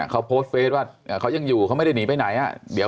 เขาโพสต์เฟสว่าเขายังอยู่เขาไม่ได้หนีไปไหน